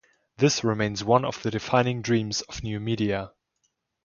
This remains one of the defining dreams of new media.